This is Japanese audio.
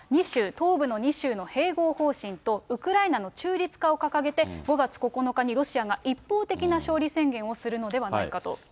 ２州、東部の２州の併合方針と、ウクライナの中立化を掲げて、５月９日にロシアが一方的な勝利宣言をするのではないかと。